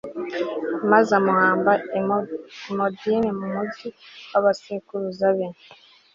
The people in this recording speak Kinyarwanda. maze amuhamba i modini mu mugi w'abasekuruza be